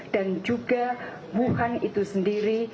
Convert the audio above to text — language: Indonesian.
dan juga wuhan itu sendiri